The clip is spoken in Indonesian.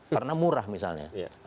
karena murah misalnya